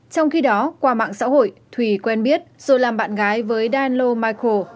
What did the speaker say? trong khi đó qua mạng xã hội thùy quen biết rồi làm bạn gái với danlo micro